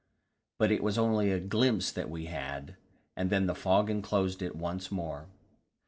But it was only a glimpse that we had, and then the fog enclosed it once more.